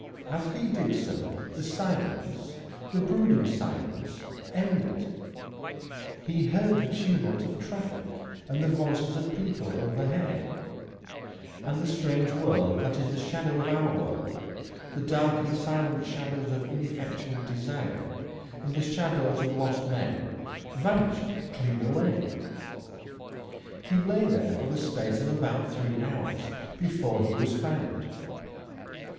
As he did so, the silence the brooding silence ended; he heard the tumult of traffic and the voices of people overhead, and that strange world that is the shadow of our world the dark and silent shadows of ineffectual desire and the shadows of lost men vanished clean away. He lay there for the space of about three hours before he was found.